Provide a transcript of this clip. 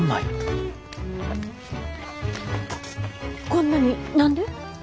こんなに何で？